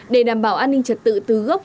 để đảm bảo an ninh trật tự từ gốc